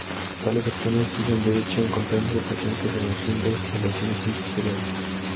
Tales opciones siguen, de hecho, encontrándose presentes en los Windows, en versiones muy posteriores.